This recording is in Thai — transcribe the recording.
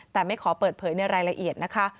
แต่ไม่ขอเปิดเผยในรายละเอียดนะคะ